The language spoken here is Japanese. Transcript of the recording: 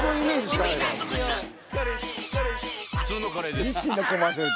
普通のカレーですからの！？